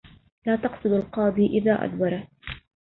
لا تقصد القاضي إذا أدبرت